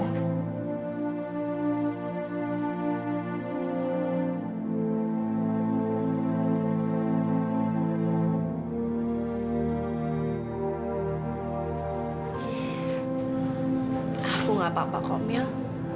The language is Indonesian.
aku gak apa apa komil